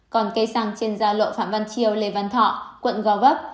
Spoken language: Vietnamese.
còn cây xăng trên gia lộ phạm văn chiêu lê văn thọ quận gò vấp